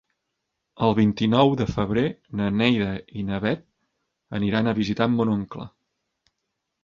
El vint-i-nou de febrer na Neida i na Bet aniran a visitar mon oncle.